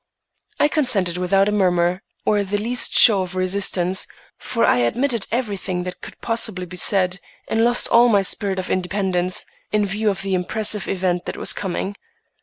I consented without a murmur or the least show of resistance, for I admitted everything that could possibly be said, and lost all my spirit of independence in view of the impressive event that was coming.